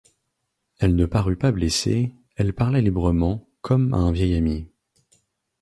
Elle ne parut pas blessée, elle parla librement, comme à un vieil ami.